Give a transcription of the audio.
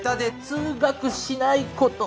「通学しないこと」